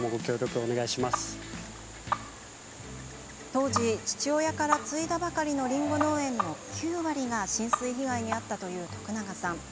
当時、父親から継いだばかりのりんご農園の９割が浸水被害に遭ったという徳永さん。